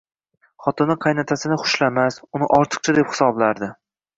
Xotini qaynotasini xushlamas, uni ortiqcha deb hisoblardi